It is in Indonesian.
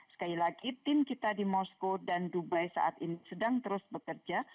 sekali lagi tim kita di moskow dan dubai saat ini sedang terus bekerja